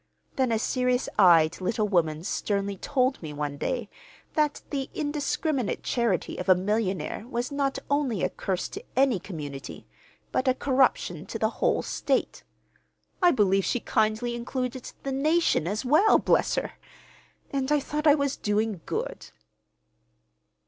Then a serious eyed little woman sternly told me one day that the indiscriminate charity of a millionaire was not only a curse to any community, but a corruption to the whole state. I believe she kindly included the nation, as well, bless her! And I thought I was doing good!"